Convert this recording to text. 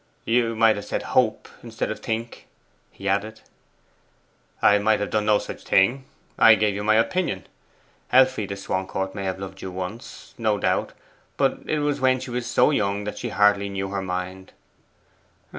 'You might have said HOPE instead of THINK,' he added. 'I might have done no such thing. I gave you my opinion. Elfride Swancourt may have loved you once, no doubt, but it was when she was so young that she hardly knew her own mind.